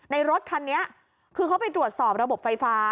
รถคันนี้คือเขาไปตรวจสอบระบบไฟฟ้า